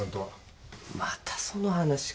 またその話かよ。